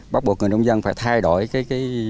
bắt buộc người nông dân phải thay đổi cái